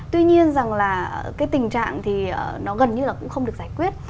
tuy nhiên rằng là cái tình trạng thì nó gần như là cũng không được giải quyết